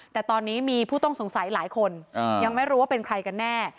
แต่ตอนนี้มีผู้ต้องสงสัยหลายคนยังไม่รู้ว่าเป็นใครกันแน่